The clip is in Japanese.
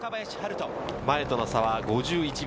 前との差は５１秒。